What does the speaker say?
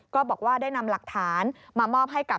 ก็บอกว่าได้นำหลักฐานมามอบให้กับ